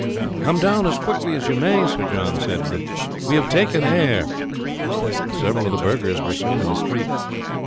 "Come down as quickly as you may," Sir John said to them; "we have taken Ayr." Several of the burghers were soon in the street.